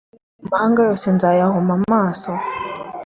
amahanga yose nzayahuma amaso